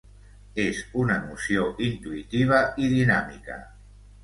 És una noció intuïtiva i dinàmica.